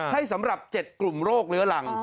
สำหรับ๗กลุ่มโรคเรื้อรัง